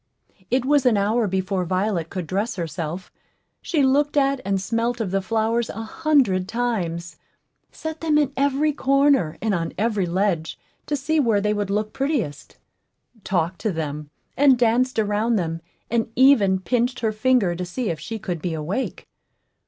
It was an hour before Violet could dress herself. She looked at and smelt of the flowers a hundred times set them in every corner and on every ledge to see where they would look prettiest talked to them, and danced around them, and even pinched her finger to see if she could be awake.